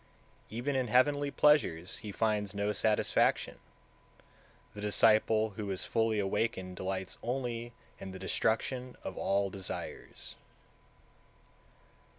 Even in heavenly pleasures he finds no satisfaction, the disciple who is fully awakened delights only in the destruction of all desires.